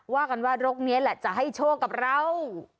ว่ากันว่ารกนี้แหละจะให้โชคกับเรา